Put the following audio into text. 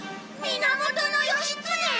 源義経！？